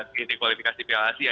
di kualifikasi piala asia